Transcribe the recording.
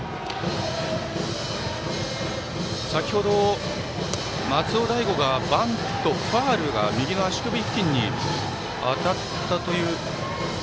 先ほど、松尾大悟が、ファウルが右の足首付近に当たったという。